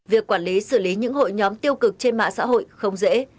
việc quản lý xử lý những hội nhóm tiêu cực trên mạng xã hội không dễ